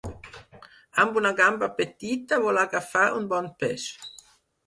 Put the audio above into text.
Amb una gamba petita vol agafar un bon peix.